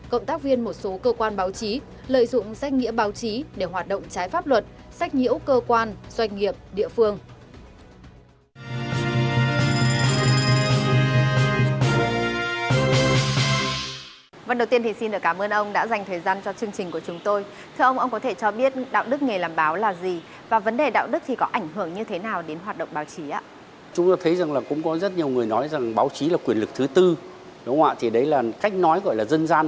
cộng tác viên một số cơ quan báo chí lợi dụng sách nghĩa báo chí để hoạt động trái pháp luật sách nhiễu cơ quan doanh nghiệp địa phương